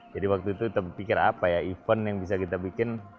jadi waktu itu kita pikir apa ya event yang bisa kita bikin